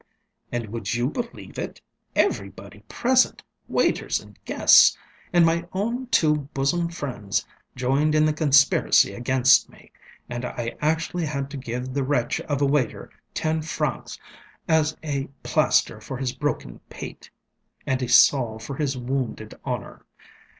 And, would you believe it? everybody present, waiters and guests, and my own two bosom friends, joined in the conspiracy against me, and I actually had to give the wretch of a waiter ten francs as a plaster for his broken pate, and a salve for his wounded honor!